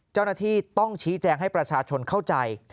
เจ้าหน้าที่ต้องชี้แจงให้ประชาชนเข้าใจ